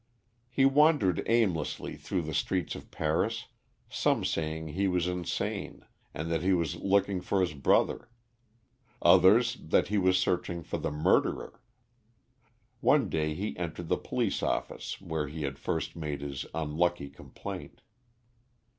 He wandered aimlessly through the streets of Paris, some saying he was insane, and that he was looking for his brother; others, that he was searching for the murderer. One day he entered the police office where he had first made his unlucky complaint.